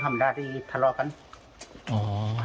ครับแล้วก็